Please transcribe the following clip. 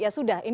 ini sudah endang